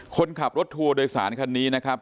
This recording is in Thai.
คนขับรถทัวร์โดยสารคันนี้นะครับ